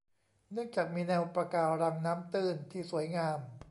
เนื่องจากมีแนวปะการังน้ำตื้นที่สวยงาม